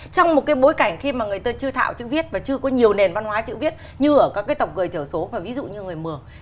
trong một cái bối cảnh khi mà người ta chưa thạo chữ viết và chưa có nhiều nền văn hóa chữ viết như ở các cái tộc người thiểu số và ví dụ như người mường